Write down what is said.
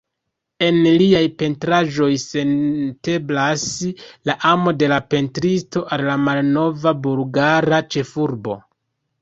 En liaj pentraĵoj senteblas la amo de la pentristo al la malnova bulgara ĉefurbo.